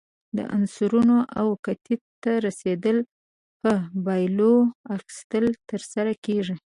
د عنصرونو اوکتیت ته رسیدل په بایللو، اخیستلو ترسره کیږي.